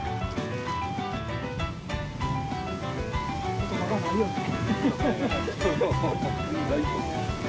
言葉がないよね。